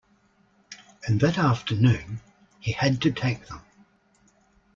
And that afternoon he had to take them.